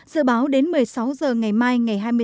dự báo đến một mươi sáu h ngày mai ngày hai mươi sáu